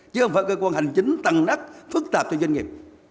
chứ không phải cơ quan hành chính tăng nắc phức tạp cho doanh nghiệp